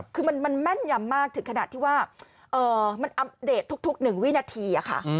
คือมันแม่นยำมากถึงขนาดที่ว่ามันอัปเดตทุก๑วินาทีค่ะ